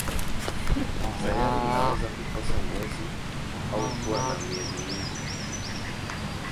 Sayari inaweza kukosa mwezi au kuwa na miezi mingi.